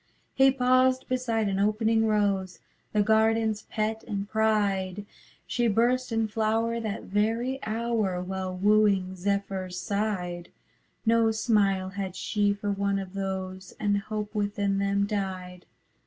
He paused beside an opening rose, The gardenâs pet and pride; She burst in flower that very hour, While wooing zephyrs sighed; No smile had she for one of those, And hope within them died.